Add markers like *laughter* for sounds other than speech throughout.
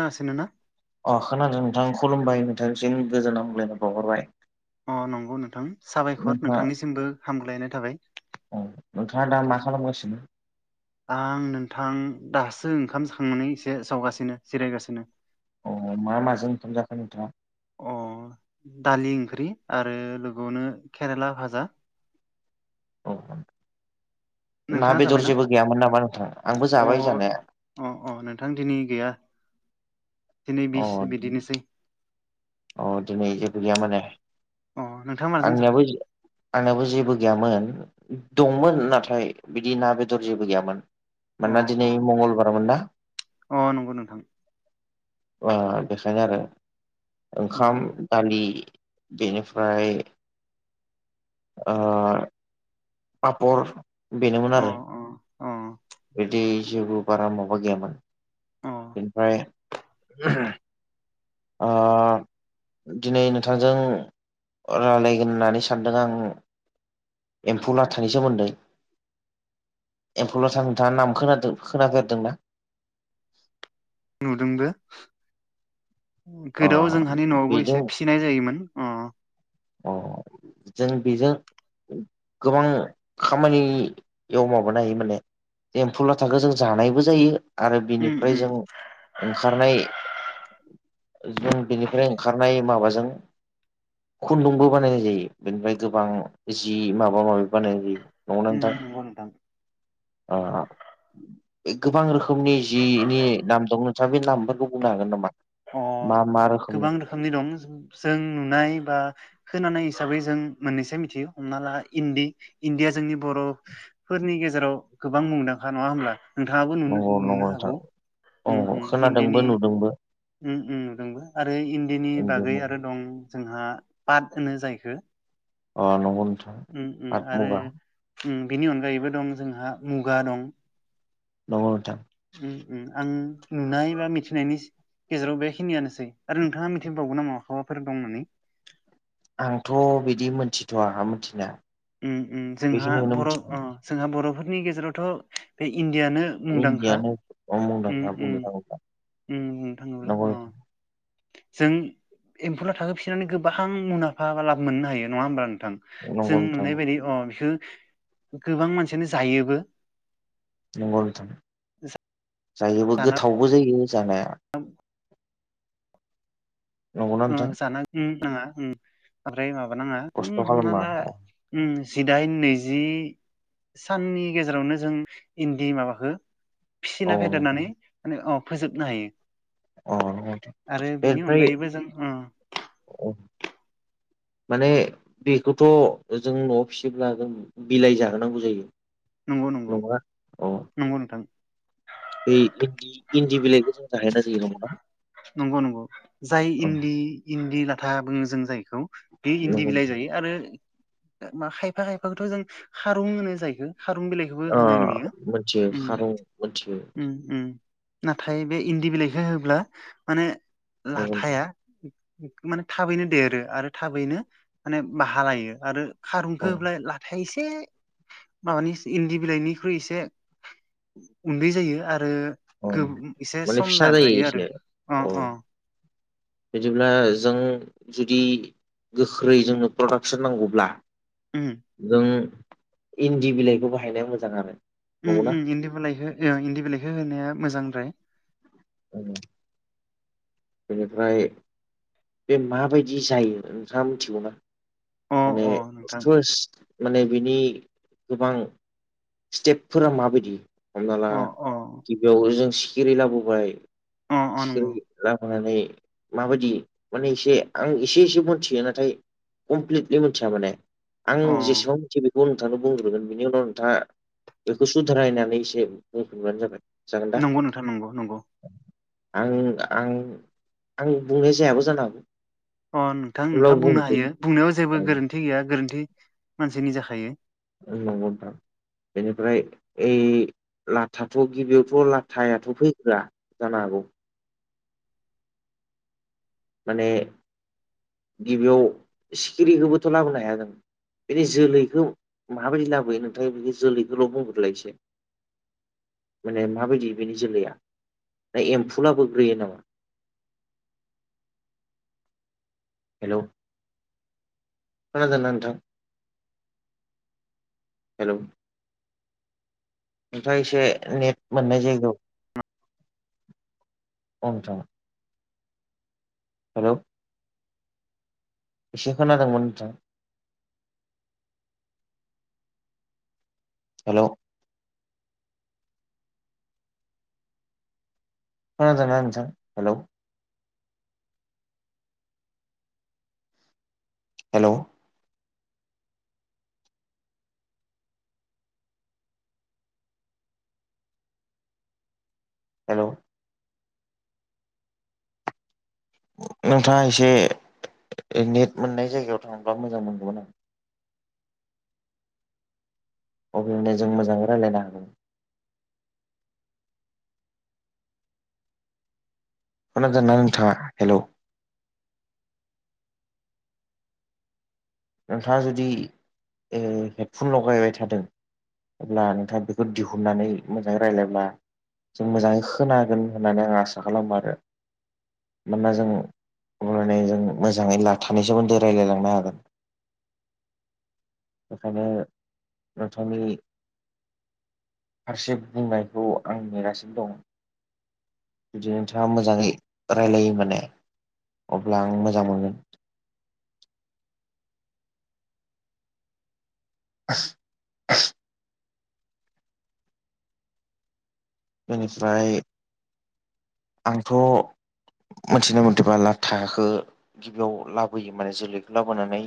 नाङासै नो ना अ खोनादों नोंथां खुलुमबाय नोंथांसिम गोजोन हमलायनाय बावहरबाय अ नंगौ नोंथां साबायख'र नोंथाङा नोंथांनिसिमबो हामग्लायनाय थाबाय औ नोंथाङा दा मा खालामगासिनो आं नोंथां दासो ओंखाम जाखांनानै एसे जावगासिनो जिरायगासिनो अ मा माजों ओंखाम जाखो नोंथां अ दालि ओंख्रि आरो लोगोआवनो केरेला भाजा औ ना नोंथाङा बेदर जाबायना जेबो गैयामोन नामा नोंथां आंबो अ जाबाय जानाया अ अ नोंथां दिनै गैया दिनै अ बिस बिदिनोसै अ दिनै जेबो गैया माने अ नोंथाङा माजों जाखो आंनियाबो इदिनो आंनाबो जेबो गैयामोन दंमोन नाथाय बिदि ना बेदर जेबो गैयामोन अ मोनोना दिनै अ मंगलबार मोन ना अ नंगौ नोंथां बा बेखायनो आरो अ ओंखाम दालि बेनिफ्राय ओ पापर बेनोमोन अ आरो अ अ बिदि जेबो बारा माबा गैयामोन अ बेनिफ्राय आ दिनै नोंथांजों रायलायगोन होननानै सानदों आं एम्फौ लाथानि सोमोन्दै एम्फौ लाथा नोंथाङा नाम खोनादों खोनागोरदों ना नुदोंबो अ गोदोआव जोंहानि न'आवबो बेजों एसे फि खिनाय जायोमोन अ अ जों बेजों गोबां खामानियाव माबानो हायो माने एम्फु लाथाखो जों जानायबो जायो आरो उम बिनिफ्राय उम जों ओंखारनाय जों बेनिफ्राय ओंखारनाय माबाजों खुन्दुंबो बानायनाय जायो बेनिफ्राय गोबां जि माबा माबि बानायनाय दं ना उम नोंथां नंगौ नोंथां ओ गोबां रोखोमनि जिनि नाम दं नोंथाङा बे नामफोरखौ बुंनो हागोन नामा अ मा मा गोबां रोखोमनि दं जों नुनाय बा होनानै हिसाबै जों मोननैसो मिथियो हमना ला इन्दि इन्दिया जोंनि बर' फोरनि गेजेराव गोबां मुंदांखा नङा होमब्ला? नोंथाङाबो नंगौ नंगौ नुनो नोंथां हागौ औ खोनादोंबो इन्दिनि नुदोंबो नुदोंबो आरो इन्दिनि बागै अ आरो दं जोंहा पाट होनो जायखो अ नंगौ नोंथां। पाट मुगा आरो बिनि अनगायैबो दं जोंहा मुगा दं। औ नोंथां। आं नुनाय बा मिथिनायनि गेजेराव बेखिनियानोसै आरो नोंथाङा मिथिबावगोन नामा? मााबाफोर दं होननानै। आंथ' बिदि मोनथिथ' आंहा मोनथिनाया। उम उम जोंहा बर' अ जोंहा बर'फोरनि गेजेरावथ' बे इन्दियानो मुंदांखा इन्दियानो उम मुंदांखा बुंनो उम थाङोब्ला उम नोंथां नंगौ अ। जों एम्फौला थाखोफिनानै गोबां मुलाम्फा बा लाब मोननो हायो नङा होमब्ला नोंथां? जों नंगौ नोंथां नुनाय बायदि अ बिखौ गोबां मानसियानो जायोबो नंगौ नोंथां जायोबो गोथावबो जायो जानाया। नंगौना ओ नोंथां जाना उम नाङा उम ओमफ्राय माबा नाङा उम खस्थ' हमना ला खालामनाङा उम जिदाइन नैजि साननि गेजेरावनो जों इन्दि माबाखो औ औ फिसिना फेदेरनानै माने फोजोबनो हायो। आरो बेनि अनगायैबो जों अ अ। *unintelligible* माने बेखौथ' जों न'आव फिसिब्ला जों बिलाइ जाहोनांगौ जायो। नंगौ नंगौ नङा नंगौ नोंथां। बै इन्दि इन्दि बिलाइखौ जों जाहैना जायो नङा? *unintelligible* नंगौ नंगौ जाय अ इन्दि इन्दि लाथा बुङो जों जायखौ बे इन्दि नंगौ बिलाइ जायो आरो मा खायफा खायफाखौथ' जों खारुं होनो जायोखो खारुं बिलाइ बो अ होनाय नुयो मोनथियो उम खारं मोनथियो उम उम। नाथाय बे इन्दि बिलाइखौ होब्ला माने नंगौ नोंथां लाथाया माने थाबैनो देरो आरो थाबैनो माने बाहालायो आरो औ खारुनखोब्लाय लाथाय एसे माबानि इन्दि बिलाइनिख्रुइ एसे उन्दै जायो आरो औ एसे माने सम फिसा जायो लाद्रायो आरो एसे अ औ अ। बिदिब्ला जों जुदि गोख्रै जोंनो प्रडाकसन नांगौब्ला उम जों इन्दि बिलाइखौ बाहायनाया मोजाङानो उम उम इन्दि बिलाइखो इन्दि बिलाइखौ होनाया मोजांद्राय। औ। बेनिफ्राय बे माबायदि जायो नोंथाङा मिथिगौना? अ माने अ नोंथां *unintelligible* माने बिनि गोबां स्टेपफोरा माबायदि हमना ला अ अ गिबियावनो जों सिखिरि लाबोबाय अ अ सिखिरि नंगौ लाबोनानै माबायदि माने एसे आं एसे एसे मिथियो नाथाय। कमप्लिटलि मिथिया माने आं अ जेसेबां मिथिगो बेखौ नोंथांनो बुंग्रोगोन बिनि उनाव नोंथाङा बेखौ सुदारायनानै एसे बुंफिनबानो जाबाय। जागोन दा नंगौ नोंथां नंगौ नंगौ। आं आं आं बुंनाय जायाबो जानो हागौ। अ नोंथां नोंथाङा अब्लाबो बुंनो बुंनोसै हायो बुंनायाव औ जेबो गोरोन्थि गैया गोरोन्थि मानसिनि जाखायो। होननगौ नोंथां बेनिफ्राय ओ लाथाथ' गिबियावथ' लाथायाथ' फैग्रा जानो हागौ। माने गिबियाव सिखिरिखौबोथ' लाबोनो हाया जों बिदि जोलैखौ माबायदि लाबोयो नोंथां बे जोलैखौल' बुंग्रोलाय इसे माने माबायदि बेनि जोलैया ना एम्फुलाबो ग्रोयो नामा? हेलौ खादोंना नोंथां हेलौ नोंथा एसे नेट मोननाय जायगायाव अ नोंथां हेलौ एसे खोनादोंमोन नोंथाङा हेलौ खोनादों ना नोंथां हेलौ हेलौ हेलौ नोंथाङा एसे नेट मोननाय जायगायाव थांबा मोजां मोनगौमोन। आं अब्लाे माने जों मोजाङै रायज्लायनो हागोन। खोनादों ना नोंथाङा हेलौ नोंथाङा जुदि हेडफन लगायबाय थादों। अब्ला नोंथाङा बेखौ दिहुननानै मोजाङै रायज्लायब्ला जों मोजाङै खोनागोन होननानै आं आसा खालामो आरो। मानोना जों अलायनायजों मोजाङै लाथस रायजलायलांनो हागोन। बेखायनो नोंथांनि फारसे बुंनायखौ आं नेगासिनो दं। बिदि नोंथाङा मोजाङै रायलायो माने अब्ला आं मोजां मोनगोन। आ *unintelligible* बेनिफ्राय आंथ' मोनथिना मोनथिबा लाथाखौ गिबियाव लाबोयो माने जोलैखौ लाबोनानै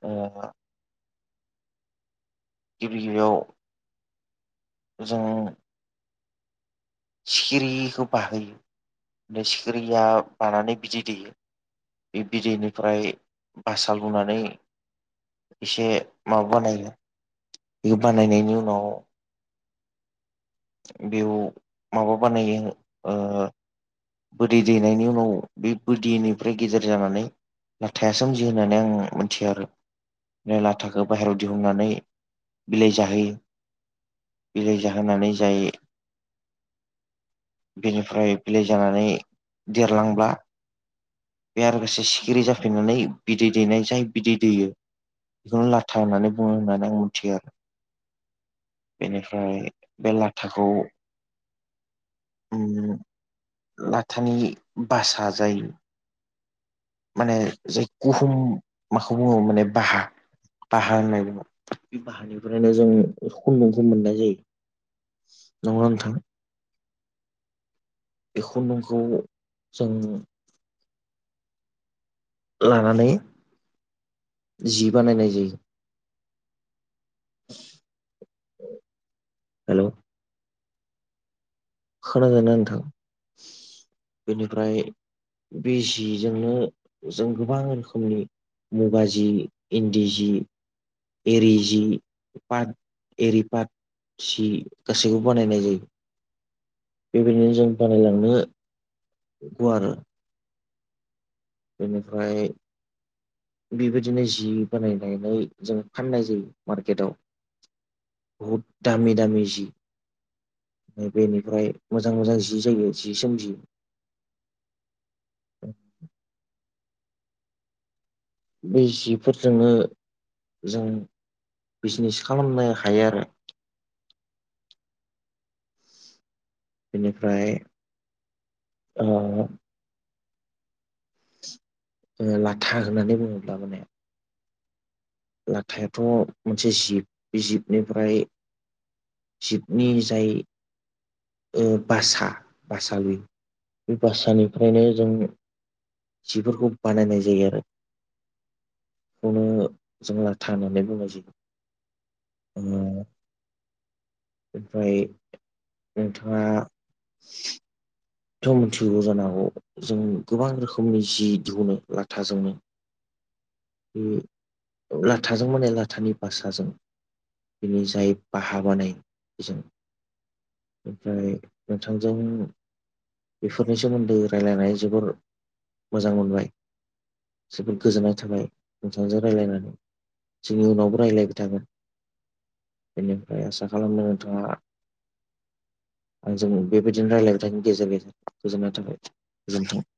ओ गिबि गिबियाव जों सिखिरिखौ बाहोयो सिखिरिया बानानै बिदै दैयो। बे बिदैनिफ्राय बासा लुनानै एसे माबा बानायो बेखौ बानायनायनि उनाव बेयाव माबा बानायो ओ बिदै दैनायनि उनाव बे बिदैनिफ्राय गेदेर जानानै लाथाया सोमजियो होननानै आं मिथियो आरो। फ्राय लाथाखौ बाहेरायाव दिहुननानै बिलाइ जाहोयो। बिलाइ जाहोनानै जायो बेनिफ्राय बिलाइ जानानै देरलांब्ला बे आरो गासे सिखिरि जाफैनानै बिदै दैनाय जाय बिदै दैयो। बेखौनो लाथा होननानै बुङो होननानै आं मिथियो आरो बेनिफ्राय बे लाथाखौ ओम लाथानि बासा जायो। माने जाय गुहुम माखौ बुङो माने बाहा बाहा होननाय दङ बे बाहानिफ्रायनो जों खुनदुंखौ मोननाय जायो। नंगौ नोंथां बे खुनदुंखौ जों लानानै जि बानायनाय जायो। हेलौ खोनादोंना नोंथां बेनिफ्राय बि जिजोंनो जों गोबां रोखोमनि मुगा जि इन्दि जि एरि जि पट एरि पाद सि गासैखौबो बानायनाय जायो। बेबायदिनो जों बानायलांनांगौ आरो बेनिफ्राय बेबायदिनो जि बानायनानै जोंङो फाननाय जायो मार्केटाव बहुत दामि दामि जि बेनिफ्राय मोजां मोजां जि जायो जि सोमजियो बे जिफोरजोंनो जों बिजनेस खालामनो हायो आरो बेनिफ्राय ओ ओ लाथा होननानै बुङोब्ला माने लाथायाथ' मोनसे जिब बे जिबनिफ्राय सिबनि जाय ओ बासा बासा बि बासानिफ्रायनो जों जिफोरखौ बानायनाय जायो आरो बेखौनो जों लाथा होननानै बुंनाय जायो ओमफ्राय नोंथाङा खौ मोनथियो जानो हागौ जों गोबां रोखोमनि जि दिहुनो लाथाजोंनो बे लाथाजों माने लाथानि बासाजों बिनि जाय बाहा *unintelligible* ओमफ्राय नोंथांजों बेफोरनि सोमोन्दै रायलायनानै जोबोर मोजां मोनबाय जोबोद गोजोननाय थाबाय नोंथांजों रायज्लायनानै जोंनि उनावबो रायज्लायबाय थाङो बेनिफ्राय आसा खालामदों नोंथाङा आंजों बेबायदिनो रायलायनायनि गेजेर गेजेर गोजोननाय थाबाय गोजोनथों